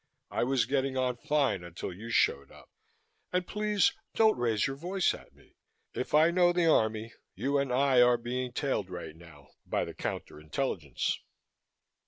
I was getting on fine until you showed up, and please don't raise your voice at me. If I know the Army, you and I are being tailed right now by the counter intelligence."